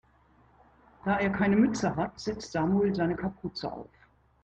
Da er keine Mütze hat, setzt Samuel seine Kapuze auf.